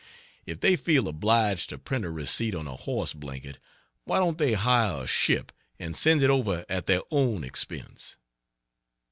If they feel obliged to print a receipt on a horse blanket, why don't they hire a ship and send it over at their own expense?